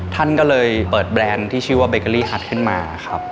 ท่านก็เลยเปิดแบรนด์ที่ชื่อว่าเบเกอรี่คัดขึ้นมาครับ